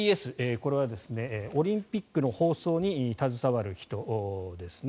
これはオリンピックの放送に携わる人ですね。